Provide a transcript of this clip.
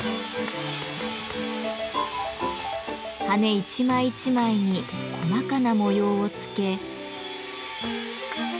羽一枚一枚に細かな模様をつけ。